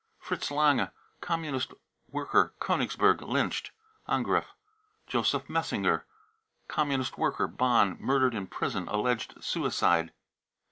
fritz lange, Communist worker, Konigsberg, lynched. (Angriff.) Joseph messinger, Communist worker, Bonn, murdered ki prison, alleged suicide.